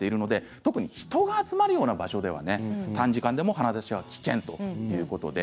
特に人が集まるような場所では短時間でも鼻だしは危険ということなんです。